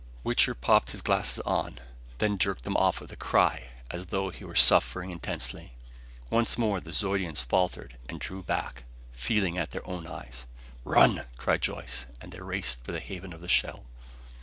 Wichter popped his glasses on, then jerked them off with a cry, as though he were suffering intensely. Once more the Zeudians faltered and drew back, feeling at their own eyes. "Run!" cried Joyce. And they raced for the haven of the shell.